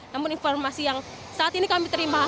namun informasi yang saat ini kami terima